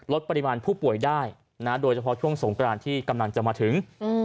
ปริมาณผู้ป่วยได้นะโดยเฉพาะช่วงสงกรานที่กำลังจะมาถึง